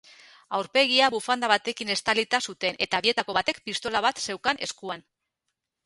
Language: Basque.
Aurpegia bufanda batekin estalita zuten eta bietako batek pistola bat zeukan eskuan.